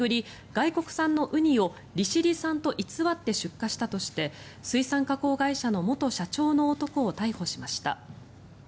外国産のウニを利尻産と偽って出荷したとして水産加工会社の元社長の男を逮捕しました。